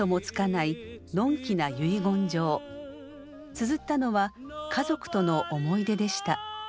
つづったのは家族との思い出でした。